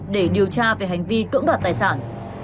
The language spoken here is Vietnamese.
để điều tra về hành vi cưỡng đoạt tài sản